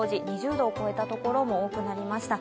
２０度を超えたところも多くなりました。